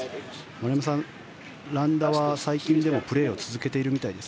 丸山さん、ランダワ、最近でもプレーを続けているみたいです。